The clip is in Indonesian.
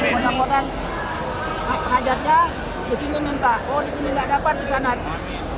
maka maka kan hajatnya disini minta oh disini tidak dapat disana tidak dapat